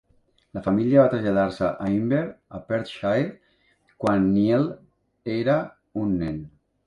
La família va traslladar-se a Inver a Perthshire quan Niel era un nen.